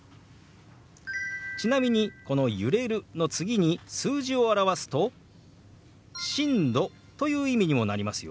ちなみにこの「揺れる」の次に数字を表すと「震度」という意味にもなりますよ。